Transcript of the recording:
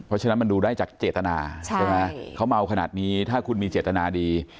เพราะฉะนั้นมันดูได้จากเจตนาใช่ไหมเขาเมาขนาดนี้ถ้าคุณมีเจตนาดี